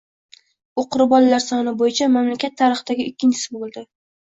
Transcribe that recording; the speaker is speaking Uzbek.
U qurbonlar soni bo‘yicha mamlakat tarixidagi ikkinchisi bo‘ldi